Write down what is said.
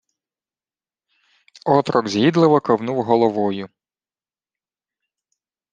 Отрок згідливо кивнув головою.